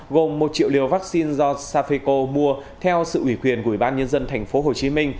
gồm một triệu liều vaccine do safeco mua theo sự ủy quyền của ủy ban nhân dân tp hcm